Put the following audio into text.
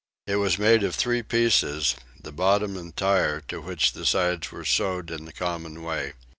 It was made of three pieces, the bottom entire, to which the sides were sewed in the common way.